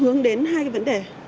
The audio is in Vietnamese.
hướng đến hai cái vấn đề